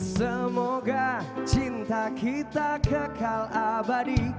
semoga cinta kita kekal abadi